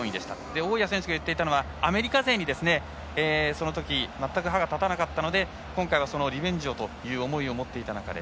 大矢選手が言っていたのはアメリカ勢にそのとき、全く歯が立たなかったので今回はそのリベンジをという思いを持っていた中で。